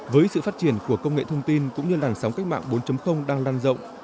với sự phát triển của công nghệ thông tin cũng như làn sóng cách mạng bốn đang lan rộng